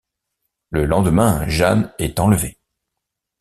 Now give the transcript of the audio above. Le lendemain, Jeanne est enlevée.